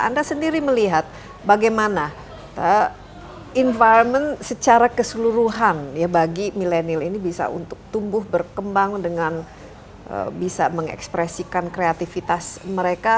anda sendiri melihat bagaimana environment secara keseluruhan bagi milenial ini bisa untuk tumbuh berkembang dengan bisa mengekspresikan kreativitas mereka